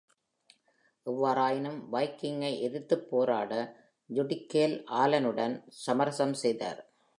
எவ்வாறாயினும், வைக்கிங்கை எதிர்த்துப் போராட ஜூடிகேல் ஆலனுடன் சமரசம் செய்தார்.